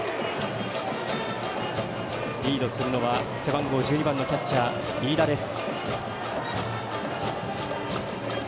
リードするのは背番号１２番のキャッチャー飯田です。